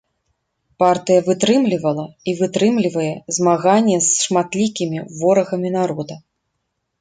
Партыя вытрымлівала і вытрымлівае змаганне з шматлікімі ворагамі народа.